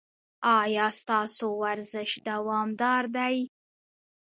ایا ستاسو ورزش دوامدار دی؟